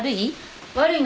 悪い？